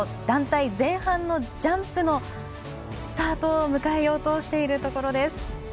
団体前半のジャンプのスタートを迎えようとしているところです。